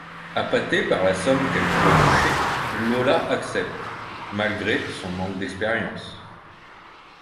Appâtée par la somme qu'elle pourrait toucher, Lola accepte, malgré son manque d'expérience.